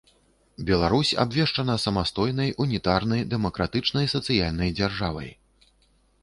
Беларусь абвешчана самастойнай унітарнай дэмакратычнай сацыяльнай дзяржавай.